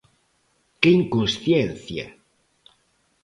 Que inconsciencia!